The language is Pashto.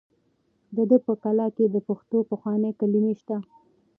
د ده په کلام کې د پښتو پخوانۍ کلمې شته.